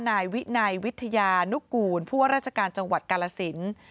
นายวินัยวิทยานุกูลผู้ว่าราชการจังหวัดกาลสิน